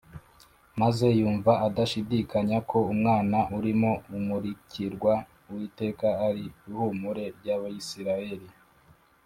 maze yumva adashidikanya ko umwana urimo umurikirwa Uwiteka ari Ihumure ry’Abisiraheli